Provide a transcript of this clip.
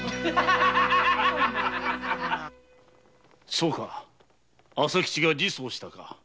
そうか朝吉が自訴したか。